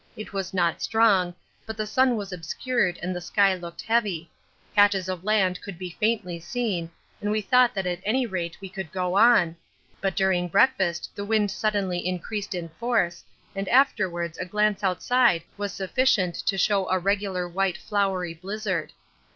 it was not strong, but the sun was obscured and the sky looked heavy; patches of land could be faintly seen and we thought that at any rate we could get on, but during breakfast the wind suddenly increased in force and afterwards a glance outside was sufficient to show a regular white floury blizzard.